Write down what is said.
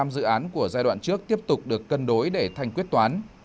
hai mươi dự án của giai đoạn trước tiếp tục được cân đối để thành quyết toán